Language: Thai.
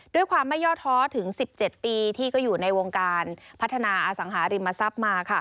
ด้วยความไม่ย่อท้อถึง๑๗ปีที่ก็อยู่ในวงการพัฒนาอสังหาริมทรัพย์มา